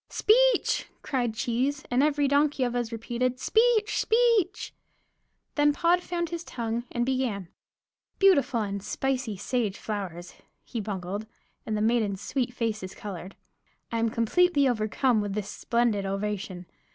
"Speech!" cried Cheese, and every donkey of us repeated, "Speech, Speech!" Then Pod found his tongue and began: "Beautiful and spicy sage flowers," he bungled; and the maidens' sweet faces colored, "I am completely overcome with this splendid ovation.